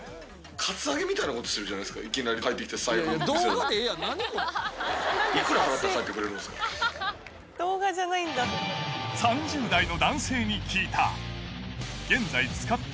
カツアゲみたいなことしてるじゃないですか、いきなり入ってきて、財布見せろって。